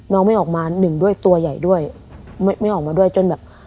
ไม่ออกมาหนึ่งด้วยตัวใหญ่ด้วยไม่ไม่ออกมาด้วยจนแบบ